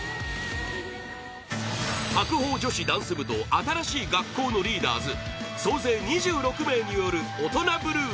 白鵬女子ダンス部と新しい学校のリーダーズ総勢２６名による「オトナブルー」